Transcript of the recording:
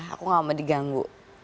aku nggak mau diganggu